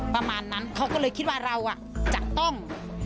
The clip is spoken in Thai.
ประมาณนั้นเขาก็เลยคิดว่าเราจะต้อง